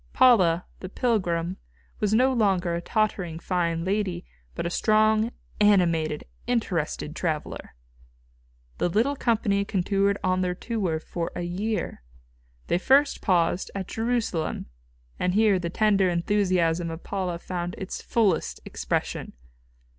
Paula, the pilgrim, was no longer a tottering fine lady, but a strong, animated, interested traveller. The little company continued on their tour for a year. They first paused, at Jerusalem, and here the tender, enthusiasm of Paula found its fullest expression.